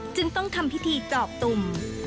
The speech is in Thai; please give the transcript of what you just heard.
จึงต้องทำพิธีจอบตุ่ม